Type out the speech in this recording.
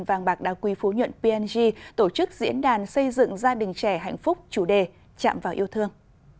vàng bạc đa quý phú nhuận png tổ chức diễn đàn xây dựng gia đình trẻ hạnh phúc chủ đề chạm vào yêu thương